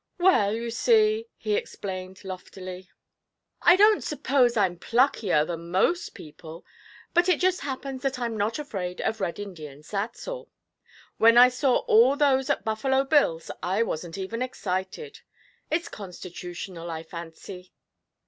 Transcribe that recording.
'Well, you see,' he explained loftily, 'I don't suppose I'm pluckier than most people, but it just happens that I'm not afraid of Red Indians, that's all; when I saw all those at Buffalo Bill's I wasn't even excited: it's constitutional, I fancy.'